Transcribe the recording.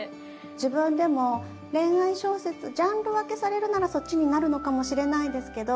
自分でも、恋愛小説、ジャンル分けされるなら、そっちになるのかもしれないですけど